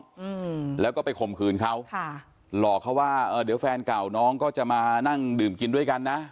อืมแล้วก็ไปข่มขืนเขาค่ะหลอกเขาว่าเอ่อเดี๋ยวแฟนเก่าน้องก็จะมานั่งดื่มกินด้วยกันนะ